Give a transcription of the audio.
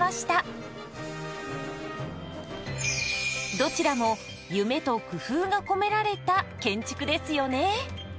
どちらも夢と工夫が込められた建築ですよね。